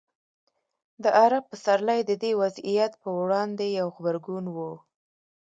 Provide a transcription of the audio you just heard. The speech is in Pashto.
د عرب پسرلی د دې وضعیت پر وړاندې یو غبرګون و.